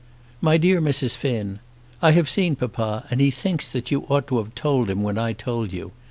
MY DEAR MRS. FINN, I have seen papa, and he thinks that you ought to have told him when I told you.